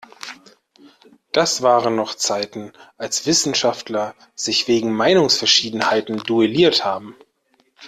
Das waren noch Zeiten, als Wissenschaftler sich wegen Meinungsverschiedenheiten duelliert haben!